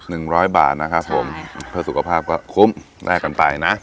หนึ่งร้อยบาทนะครับผมเพื่อสุขภาพก็คุ้มแลกกันไปนะ